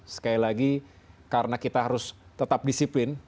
sekali lagi karena kita harus tetap disiplin